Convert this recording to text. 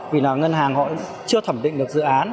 vì là ngân hàng họ chưa thẩm định được dự án